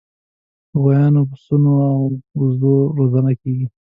د غویانو، پسونو او وزو روزنه کیږي.